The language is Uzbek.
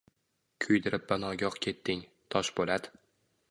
Kuydirib banogoh ketding, Toshpo‘lat